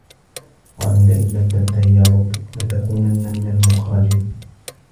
قالوا لَئِن لَم تَنتَهِ يا لوطُ لَتَكونَنَّ مِنَ المُخرَجينَ